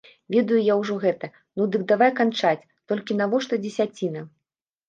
Ведаю я ўжо гэта, ну дык давай канчаць, толькі навошта дзесяціна?